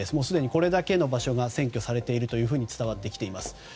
すでにこれだけの場所が占拠されていると伝わってきています。